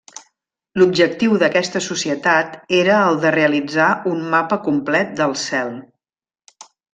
L'objectiu d'aquesta societat era el de realitzar un mapa complet del cel.